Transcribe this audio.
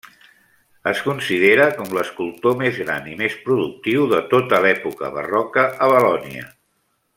Es considera com l'escultor més gran i més productiu de tota l'època barroca a Valònia.